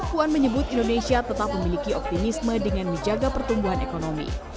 puan menyebut indonesia tetap memiliki optimisme dengan menjaga pertumbuhan ekonomi